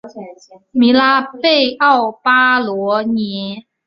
米拉贝奥巴罗涅。